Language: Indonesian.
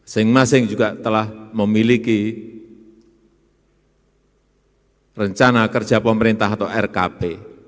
masing masing juga telah memiliki rencana kerja pemerintah atau rkp